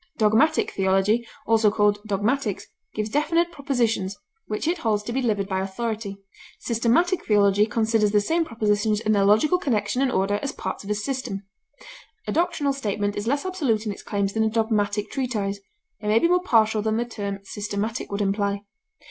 Dogmatic theology, called also "dogmatics," gives definite propositions, which it holds to be delivered by authority; systematic theology considers the same propositions in their logical connection and order as parts of a system; a doctrinal statement is less absolute in its claims than a dogmatic treatise, and may be more partial than the term systematic would imply.